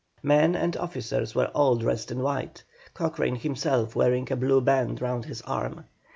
Men and officers were all dressed in white, Cochrane himself wearing a blue band round his arm.